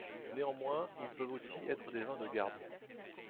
Néanmoins, ils peuvent aussi être des vins de garde.